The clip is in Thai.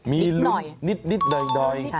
มีลุ้นนิดหน่อย